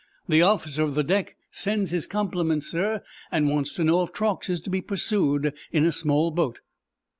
The officer of the deck sends his compliments, sir, and wants to know if Truax is to be pursued in a small boat."